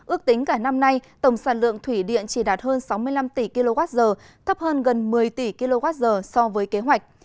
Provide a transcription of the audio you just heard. ước tính cả năm nay tổng sản lượng thủy điện chỉ đạt hơn sáu mươi năm tỷ kwh thấp hơn gần một mươi tỷ kwh so với kế hoạch